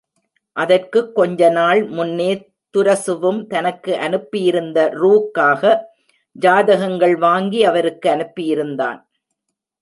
அதற்குக் கொஞ்ச நாள் முன்னே துரசுவும் தனக்கு அனுப்பியிருந்த ரூ. க்காக ஜாதகங்கள் வாங்கி அவருக்கு அனுப்பியிருந்தான்.